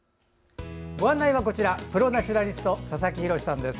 ご案内は、こちらプロ・ナチュラリストの佐々木洋さんです。